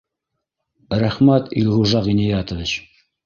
Рәхмәт, Илғужа Ғиниәтович